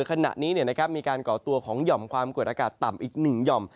ขณะนี้มีการก่อตัวของหย่อมความกดอากาศต่ำอีก๑หย่อม